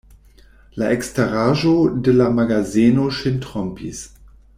La eksteraĵo de la magazeno ŝin trompis.